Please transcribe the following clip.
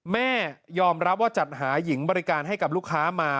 แม่ยอมรับว่าจัดหาหญิงบริการให้กับลูกค้ามา